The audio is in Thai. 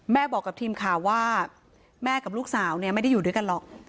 บอกกับทีมข่าวว่าแม่กับลูกสาวเนี่ยไม่ได้อยู่ด้วยกันหรอก